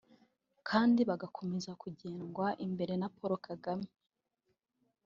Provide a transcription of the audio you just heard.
kandi bagakomeza kugendwa imbere na Paul kagame